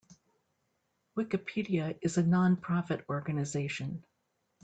Wikipedia is a non-profit organization.